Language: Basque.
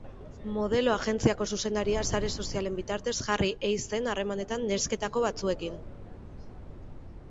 Modelo agentziako zuzendaria sare sozialen bitartez jarri ei zen harremanetan nesketako batzuekin.